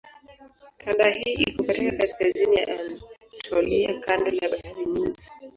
Kanda hii iko katika kaskazini ya Anatolia kando la Bahari Nyeusi.